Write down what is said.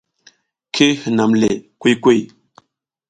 Ki hinam le kuy kuy.